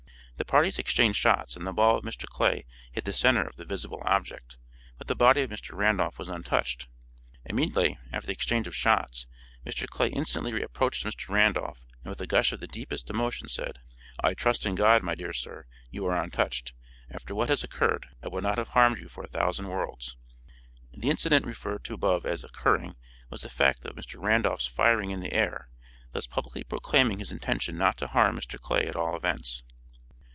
The parties exchanged shots and the ball of Mr. Clay hit the centre of the visible object, but the body of Mr. Randolph was untouched. Immediately after the exchange of shots Mr. Clay instantly approached Mr. Randolph, and with a gush of the deepest emotion said, "I trust in God, my dear sir, you are untouched; after what has occurred I would not have harmed you for a thousand worlds." The incident referred to above as 'occurring' was the fact of Mr. Randolph's firing in the air, thus publicly proclaiming his intention not to harm Mr. Clay at all events.